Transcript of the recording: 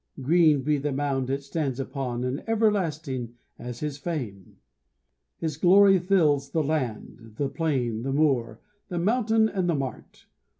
Green be the mound it stands upon, And everlasting as his fame! His glory fills the land the plain, The moor, the mountain and the mart!